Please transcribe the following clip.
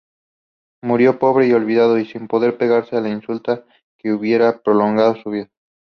Murió pobre y olvidado, sin poder pagarse la insulina que hubiera prolongado su vida.